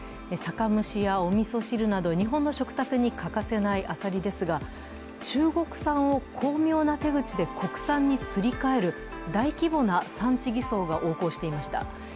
酒蒸しやみそ汁など日本の食卓に欠かせないアサリですが、中国産を巧妙な手口で国産にすり替える大規模な産地偽装が横行していました。